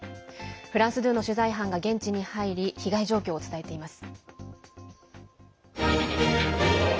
フランス２の取材班が現地に入り被害状況を伝えています。